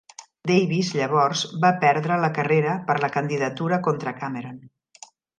Davis, llavors, va perdre la carrera per la candidatura contra Cameron.